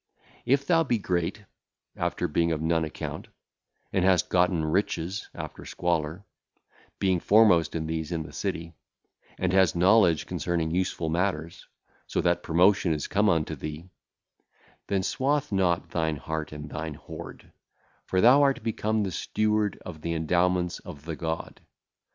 If thou be great, after being of none account, and hast gotten riches after squalor, being foremost in these in the city, and hast knowledge concerning useful matters, so that promotion is come unto thee; then swathe not thine heart in thine hoard, for thou art become the steward of the endowments of the God.